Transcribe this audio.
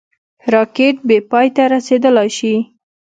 راکټ بېپای ته رسېدلای شي